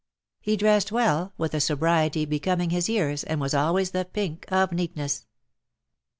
He dressed well, with a sobriety becoming his years, and was always the pink of neatness.